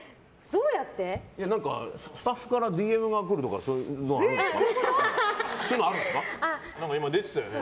スタッフからＤＭが来るとかそういうのはあるんですか？